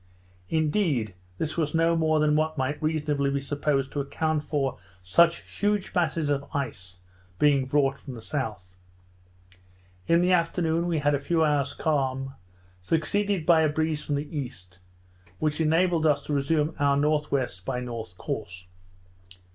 Indeed, this was no more than what might reasonably be supposed, to account for such huge masses of ice being brought from the south. In the afternoon we had a few hours calm, succeeded by a breeze from the east, which enabled us to resume our N.W. by N. course.